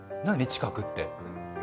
近くって。